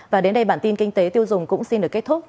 và đến đây bản tin kinh tế tiêu dùng cũng xin được kết thúc